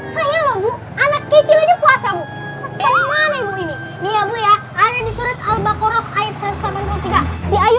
saya lo bu anak kecilnya puasa bu mana ibu ini iya bu ya ada di surat al baqarah ayat satu ratus delapan puluh tiga si ayu